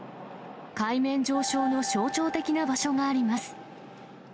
海面上昇の象徴的な場所があります。